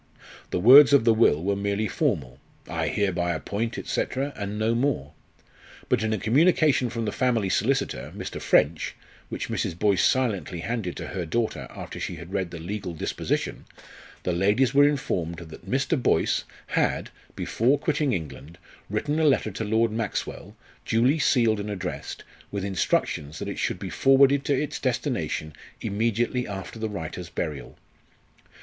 The words of the will were merely formal: "I hereby appoint," &c., and no more; but in a communication from the family solicitor, Mr. French, which Mrs. Boyce silently handed to her daughter after she had read the legal disposition, the ladies were informed that Mr. Boyce had, before quitting England, written a letter to Lord Maxwell, duly sealed and addressed, with instructions that it should be forwarded to its destination immediately after the writer's burial.